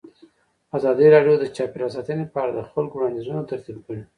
ازادي راډیو د چاپیریال ساتنه په اړه د خلکو وړاندیزونه ترتیب کړي.